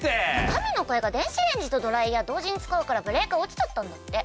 神の声が電子レンジとドライヤー同時に使うからブレーカー落ちちゃったんだって！